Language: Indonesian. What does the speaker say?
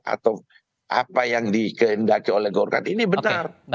atau apa yang dikehendaki oleh golkar ini benar